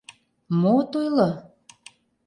Мо от ойло?